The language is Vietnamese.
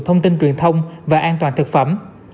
thông tin truyền thông và an toàn thực phẩm